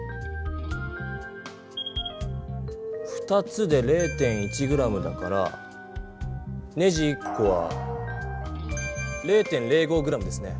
２つで０．１ｇだからネジ１こは０．０５ｇですね。